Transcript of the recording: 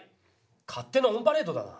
勝手のオンパレードだな！